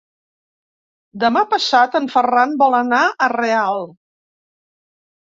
Demà passat en Ferran vol anar a Real.